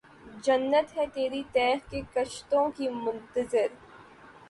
جنت ہے تیری تیغ کے کشتوں کی منتظر